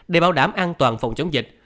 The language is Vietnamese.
để bảo đảm an toàn phòng chống dịch